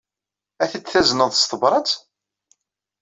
Ad t-id-tazneḍ s tebṛat?